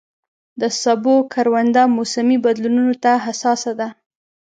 د سبو کرونده موسمي بدلونونو ته حساسه ده.